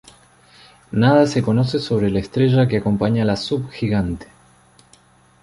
Nada se conoce sobre la estrella que acompaña a la subgigante.